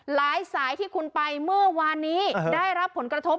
สายที่คุณไปเมื่อวานนี้ได้รับผลกระทบ